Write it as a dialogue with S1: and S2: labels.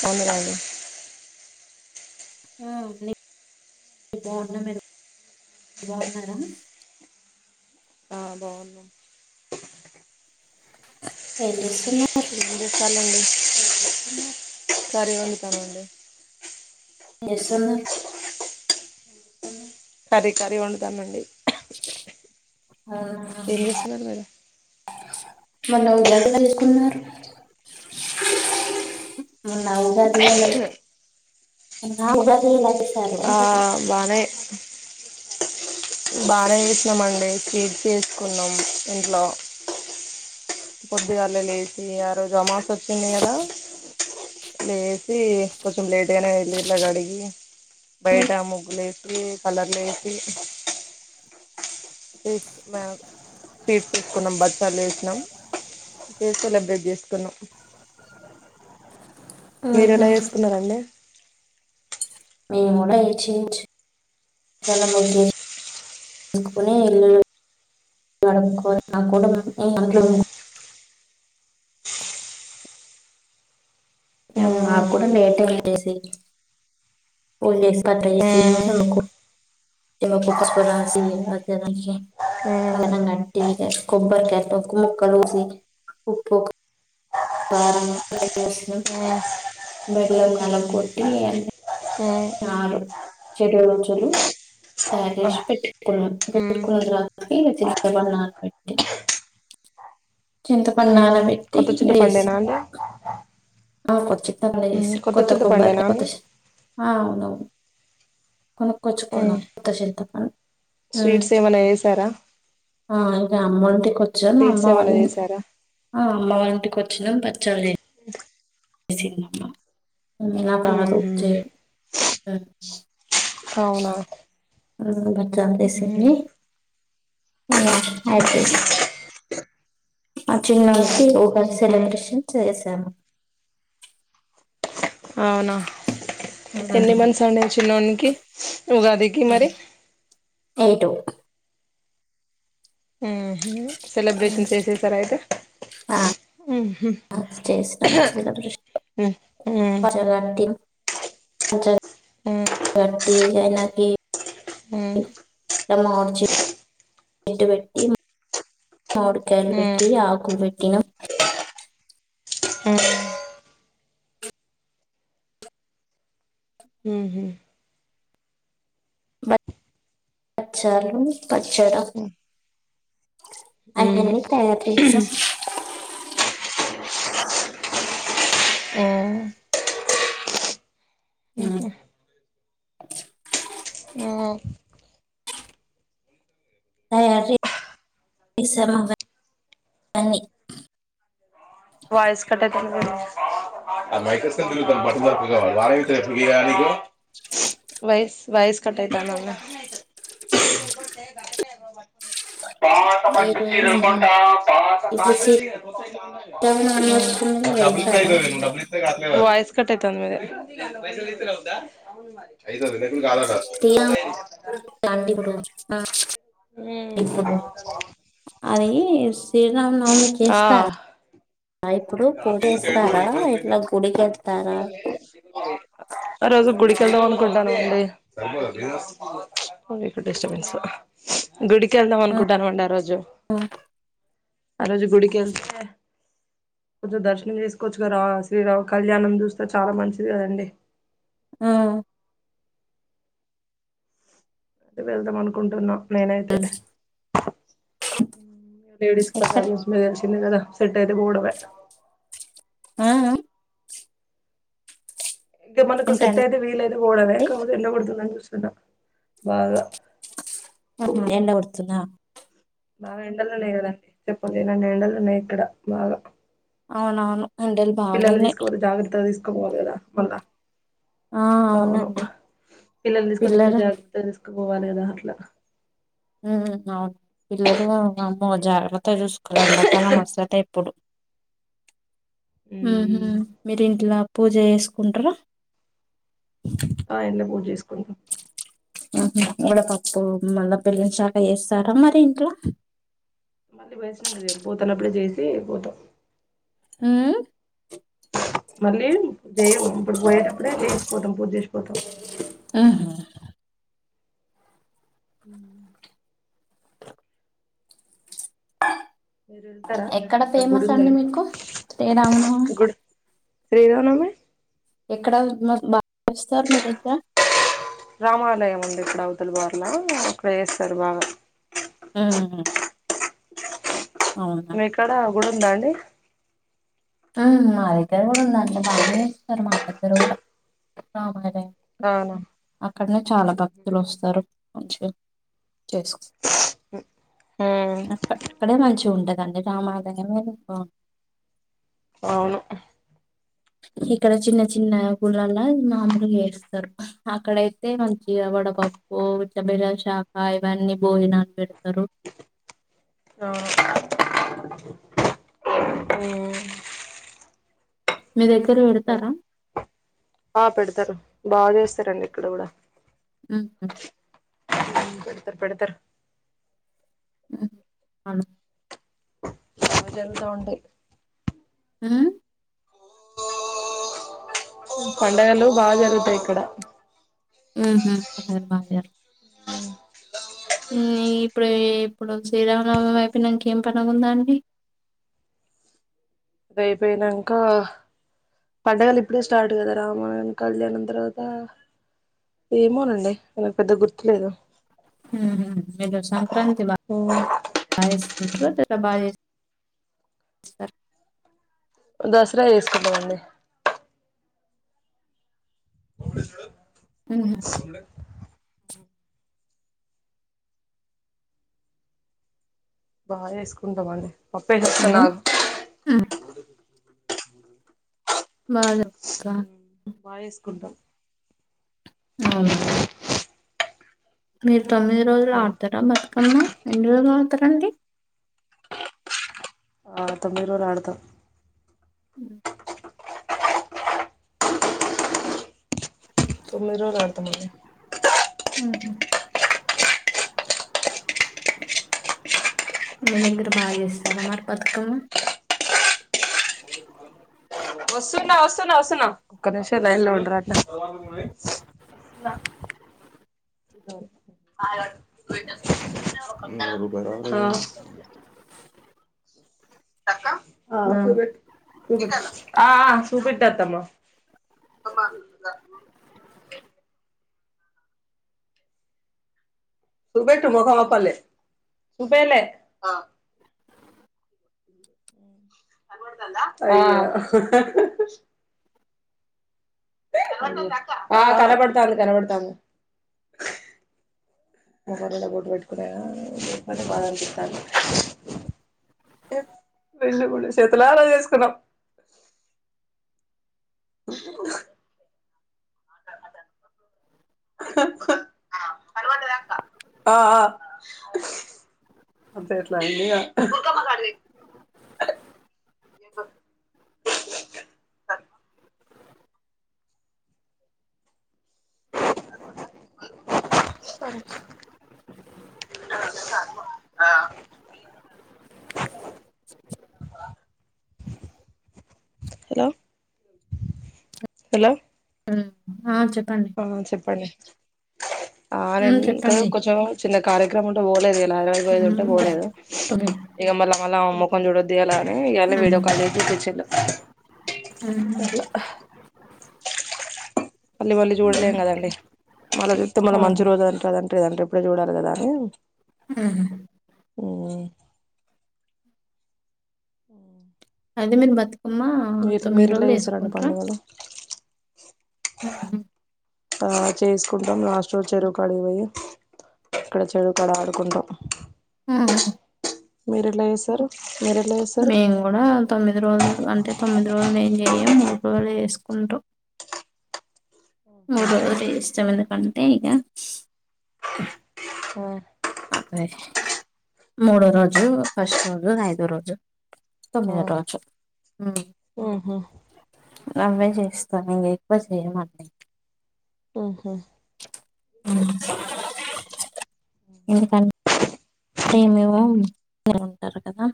S1: పర్లేదు అండి
S2: ఆ నీ బాగున్నా మీరు బాగున్నారా
S1: ఆ బాగున్నా
S2: ఏం చెస్
S1: ఏం చేస్తాను అండి కర్రీ విందుతున్న అండి
S2: ఎసలు
S1: కర్రీ కర్రీ వందామండి
S2: ఆ
S1: మీరు
S2: మొన్న ఉగాది ఎలా చేసుకున్నారు మొన్న ఉగాది ఎలా ఆ ఉగాది ఎలా చేసుకున్నారు
S1: ఆ బానే బాగా చేసినామండి స్వీట్ చేసుకున్నాం ఇంట్లో పోద్దిగాలే లేసి ఆ రోజు అమాస్ వచ్చింది కదా లేసి కొంచెం లేట్గానే వెళలా గాడిగి బయటా ముగ్లు వేసి కలర్లు వేసి వ మ స్వీట్ తీసుకున్నాం బసాలు వేసినాం అంతే సెలబ్రేట్ చేసుకున్నాం మీరు
S2: ఆహా
S1: ఎలా చేసుకున్నారండి
S2: మేము గూడా ఏ చేంచ్ చాలాకే తీసుకుని ఇళ్లోడుని నా కుటుంబాన్నింట్లో
S1: ఉమ్,
S2: నాకు
S1: ఉమ్.
S2: కూడా లేట్ ఏం చేసి పోలేస్సికు కట్టి త మాకుసుపసి అద నానికి కనంగా కా కొబ్బర్ క కు ముక్కలుూసి కుప్ప కారణసం బెల నల కోటి ఆ
S1: కొత్త
S2: షాట్ రుచులు తారేష్ పెట్టుకున్న పెట్టుకున్న తర్తిబ నానా పెట్టి చింత పడి అలయి
S1: కొత్త చింత పండేనా అండి
S2: ఆ కొ చి చేసి కొత్త
S1: చింతపండేనా
S2: కొబ్బరి కొత్త
S1: అండి
S2: అవునవును కొనుక్కొచ్చుకున్నాం కొత్త చింత పం
S1: స్వీట్స్ ఏమనా చేసారా
S2: ఆ ఇక అమ్ముంటే కొట్ ఛ్ఛా మా అమ్మ
S1: స్వీట్స్
S2: వాళ్ళ
S1: ఏమైనా
S2: ఇంట్
S1: చేసారా
S2: మా అమ్మ వాళ్ళ ఇంటికి వచ్చిన బచ్చాలే నాకు రాదు
S1: ఉహు
S2: చేయడం
S1: అవునా
S2: ఉ.. డ్రంపేసింది
S1: ఉహు
S2: ఆహా అయిపో ఆ చిన్నదికి ఊకే సెలబ్రేషన్ చేసాను
S1: అవునా ఎన్ని మంత్స్ అండి చిన్నోనికి ఉగాదికి మరి
S2: ఏ టూ
S1: మ్మ్ హ్మ్ సెలబ్రేషన్స్ చేసేసారఆయితే
S2: ఆ చేసినం సెలబ్రెషన్
S1: ఉ ఉ
S2: పర్సనల్ గా
S1: ఉ ఉ ఉ
S2: [inaudible] రమ్మాంచి వెడ్వట్టి మామిడికాయలు వెట్టి ఆకు పెట్టినం
S1: మ్
S2: బచ్ బచ్చాలు పచ్చడ
S1: ఉ ఉ ఉ
S2: అయన్నీ తయారు చేసినం మ్ తయారు జే [unintelligible] అన్ని
S1: వాయిస్ కట్టయితుంది మీది ఆ మైక్ర పట్ [unintelligible] వాడు అయితే బిర్యానిగో వైస్ వాయిస్ కట్టైతాంది అమ్మ మ్మ్
S2: మీరు ఇప్పుడు
S1: హు
S2: శ్రీరామనవమి
S1: మ్మ్
S2: వస్తుందిగా వెళ్తారా
S1: వాయిస్ కట్ అయితుంది మీది సిమ్ కాదట
S2: శ్రీరామ అంటే ఇప్పుడు ఆ,
S1: మ్
S2: అదీ శ్రీరామనవమి
S1: ఆ
S2: కేస్తార ఇట్లా గుడికి వెళ్తారా
S1: ఆ రో జు గుడికెళ్దాం అనుకుంటాను అండి ప్చ్ ఇక్కడ డిస్టబెన్స్ గుడికెళ్దాం
S2: ఆ
S1: అనుకుంటాను అండి ఆ రోజు ఆ రోజు గుడికెళ్తే కొంచెం దర్శనం చేసుకోవచ్చు కదా శ్రీరామ కళ్యాణం జూస్తే చాలా మంచిది కదండి.
S2: ఆఁ
S1: అదే వెళ్దాం అనుకుంటున్నా నేనైతే. మ్ లేడీస్
S2: ఎక్కడ
S1: ప్రాబ్లమ్ మీకు తెలిసిందే కదా! సెట్ అయితే పోవడమే
S2: అ ఆఁ
S1: ఇంకా మనకు సెట్
S2: ఏంటండి
S1: అయితే వీలయితే పోవడమే కాకపోతే ఏళ్ళగుడదని చూస్ తున బాగా
S2: ఎండ కొడుతుందా
S1: బాగా ఎండలున్నాయి గదండీ చెప్పలేనన్ని ఎండలు ఉన్నాయి ఇక్కడ బాగ
S2: అవునవును ఎండలు
S1: పిల్లల్ని
S2: బాగున్నాయి
S1: తీసుకపోతే జాగ్రత్తగా తీసుకపోవాలి కదా మల్ల
S2: ఆ
S1: అవును
S2: అవునండి
S1: పిల్లల్ని తీసుకపోతే
S2: పిల్లలు
S1: జాగ్రత్తగా తీస్ కపోవాలే కదా అట్ల.
S2: మ్ మ్ అవును పిల్లలు అమ్మో జాగ్రత్తగా చూస్ ఇలా ఎండాకాలం అస్సలే తిప్పొద్దు హ్మ్ హు
S1: ఉమ్,
S2: మీరు ఇంట్లా పూజ చేసుకుంటారా?
S1: ఆ ఇంట్ల పూజ చేసుకుంటం
S2: ఒడపప్పు మళ్ళ పెళ్లించాక చేస్తారా మరి ఇంట్ల
S1: మళ్ళీ పోయొచ్చినంక చెయన్ పోతున్నప్పుడే చేసి పోత
S2: మ్మ్ఁ
S1: మళ్ళీ జెయం ఇప్పుడు పోయేటప్పుడే చేయిసి పోతం పూజ చేసి పోతం.
S2: ఊఁ హు
S1: మ్ హు మీరు ఎళ్తారా
S2: ఎక్కడ
S1: నా
S2: ఫేమస్ అండి
S1: గుడుందేమో
S2: మీకు శ్రీరామనవమి
S1: గుడ్ శ్రీరామనవమి
S2: ఇక్కడ మాక్ బాగా చేస్తారు మీ దగ్గర.
S1: రామాలయం ఉంది ఇక్కడ అవతల బార్లా అక్కడ చేస్తరు బాగా.
S2: హ్మ్ అవునా
S1: గుడుందా అండి?
S2: ఆఁ మా దగ్గర కూడా ఉందండి బానే చేస్తరు మా దగ్గర కూడ. [unintelligible]
S1: అవునా
S2: అక్కడనే చాల భక్తులు వస్తారు మంచిగ చేసుకో
S1: ఉమ్
S2: అక్కడే మంచిగా ఉంట [inaudible]
S1: అవును
S2: ఇక్కడ చిన్న చిన్న గులాల మామూలుగా ఎస్తారు అక్కడయితే మంచిగా వడపప్పు విటబిరాల శాఖ ఇవన్నీ భోజనాలు పెడతారు
S1: అ
S2: మీ దెగ్గర
S1: అట్లే
S2: పెడతార
S1: ఉంటది ఆ పెడతారు బాగ చేస్తారండి ఇక్కడ కూడ
S2: ఉహు
S1: పెడతరు పెడతరు
S2: అను
S1: [unintelligible] ఉంటాయి
S2: ఉ
S1: పండగలు బాగ జరుగుతయి ఇక్కడ
S2: ఊ హు
S1: ఆ
S2: ఊ ఇప్పుడు ఇప్పుడు శ్రీరామనవమి అయిపోయినాంకేం పండుగుందండి
S1: ఇది అయిపోయినంకా పండగలు ఇప్పుడే స్టార్ట్ కదా రామాయణ కళ్యాణం తర్వాత ఏమోనండి నాకు పెద్ద గుర్తు లేదు
S2: ఊహు సంక్రాంతి బ ఉంట బాగా స
S1: దసరా చేసుకుటమండి ఒవ స
S2: ఊ
S1: బ చేసుకుంటామండీ పప్పేసిస్తాను
S2: హలో
S1: ఆగు
S2: బ
S1: బాచేసుకుంటాం
S2: అవునా మీరు తొమ్మిది రోజులు ఆడతారాబతుకమ్మ ఎన్ని రోజులు ఆడుతారండి
S1: ఆ తొమ్మిది రోజలు ఆడుతాం తొమ్మిది రోజులు ఆడతామండి
S2: ఉహు మీ దగ్గర బాగ చేస్తారా మరి బతకమ్మ
S1: వస్తున్న వస్తున్నా వస్తున్నా ఒక్క నిమిషం లైన్ లో ఉండరా అ [unintelligible] [unintelligible] అ [unintelligible] ఆ ఆ కనబడతాంది కనబడతన్ది [inaudible] వెళ్ళి కూడ చేతులార చేసుకున్నాం అ ఆ అంతే ఎట్ల అయిందిగా స సరే ఆ హలో హలో
S2: ఉమ్
S1: ఆ చెప్పండి ఆ నేను
S2: ఉమ్,
S1: ఇక్కడ
S2: చెప్పండి
S1: కొంచెం చిన్న కార్యక్రమం ఉంటే పోలేదు ఇయాలా పోయేదింటే పోలేదు ఇక మళ్ల మళ్ల ఆవే మొ కం చూడొద్దు ఇయాలా అని ఇయాల్నే వీడియో కాల్ చేసి చూప్పిచిండు.
S2: ఉ హు
S1: మళ్ళీ మళ్ళీ చూడలేం కదండి మళ్ల చూస్తే మళ్ల మంచి రోజు అంట లేదంటే ఇప్పుడే చూడాల కదా అని
S2: ఉ హు
S1: హుమ్ హుమ్
S2: అయితే బతుకమ్మ తొమ్మిది
S1: ఎట్లా
S2: రోజులు
S1: చేస్తారండి
S2: చేసుకుంట్ర
S1: పండుగలు
S2: [unintelligible]
S1: ఆ చేసుకుంటాం లాస్ట్ రోజు చెరువు కాడికి వోయి అక్కడ చెరువు కాడ ఆడుకుంటాం.
S2: ఆహా
S1: మీరు ఎట్ల చేస్తరు
S2: మేము కూడా తొమ్మిది రోజులు అంటే తొమ్మిది రోజులు ఏం ఏయం మూడు రోజులే ఏసుకుంటం మూడు రోజులే ఏస్తం ఎందుకంటే ఇగ
S1: ఆ
S2: అదే మూడో రోజు, ఫస్ట్ రోజు, ఐదో రోజు, తొమ్మిదో రోజు ఉమ్
S1: హు ఉమ్
S2: అవ్వే చేస్తాం ఇంక ఎక్కువ చేయమండి.
S1: హు ఉమ్
S2: ఉమ్ ఎందుకంటే మేవు ఉంటారు అట కదా